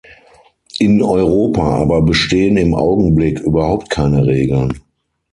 In Europa aber bestehen im Augenblick überhaupt keine Regeln!